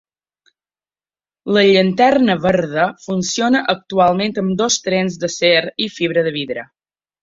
La Llanterna Verda funciona actualment amb dos trens d'acer i fibra de vidre.